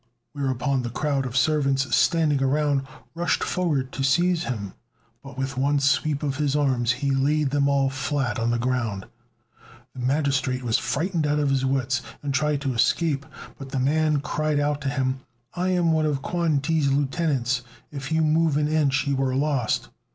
whereupon the crowd of servants standing round rushed forward to seize him, but with one sweep of his arms he laid them all flat on the ground. The magistrate was frightened out of his wits, and tried to escape, but the man cried out to him, "I am one of Kuan Ti's lieutenants. If you move an inch you are lost."